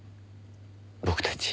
僕たち。